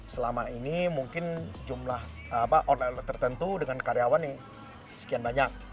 selama ini mungkin jumlah online tertentu dengan karyawan yang sekian banyak